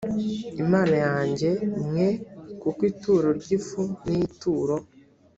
imana yanjye mwe kuko ituro ry ifu n ituro